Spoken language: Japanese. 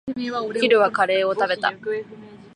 お昼はカレーを食べた。